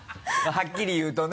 はっきり言うとね。